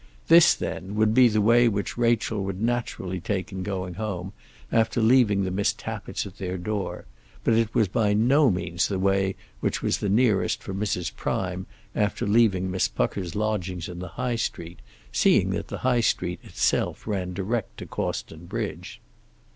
This, then, would be the way which Rachel would naturally take in going home, after leaving the Miss Tappitts at their door; but it was by no means the way which was the nearest for Mrs. Prime after leaving Miss Pucker's lodgings in the High street, seeing that the High street itself ran direct to Cawston bridge.